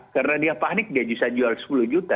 karena dia panik dia bisa jual sepuluh juta